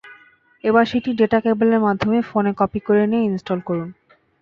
এবার সেটি ডেটা কেবলের মাধ্যমে ফোনে কপি করে নিয়ে ইনস্টল করুন।